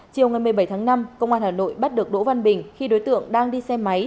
chiều ngày một mươi bảy tháng năm công an hà nội bắt được đỗ văn bình khi đối tượng đang đi xe máy